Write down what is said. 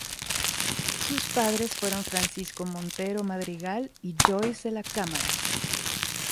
Sus padres fueron Francisco Montero Madrigal y Joyce de la Cámara.